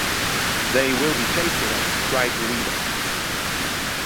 “They will be chasing us,” cried the leader.